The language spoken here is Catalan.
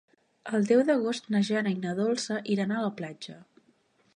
El deu d'agost na Jana i na Dolça iran a la platja.